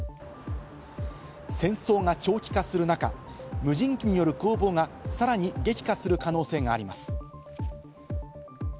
戦争が長期化する中、無人機による攻防がさらに激化する可能性があります。